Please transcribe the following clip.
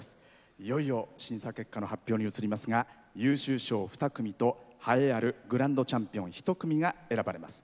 いよいよ審査結果の発表に移りますが優秀賞２組と栄えあるグランドチャンピオン一組が選ばれます。